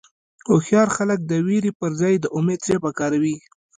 هوښیار خلک د وېرې پر ځای د امید ژبه کاروي.